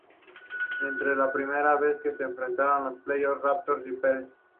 Esta es la primera vez que se enfrentan en playoffs Raptors y Pacers.